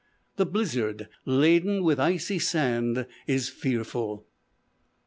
The blizzard laden with "icy sand" is fearful.